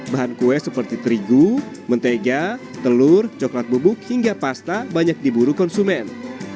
bahan kue seperti terigu mentega telur coklat bubuk hingga pasta banyak diburu konsumen